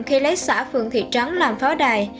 khi lấy xã phường thị trắng làm pháo đài